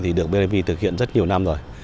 thì được bidv thực hiện rất nhiều năm rồi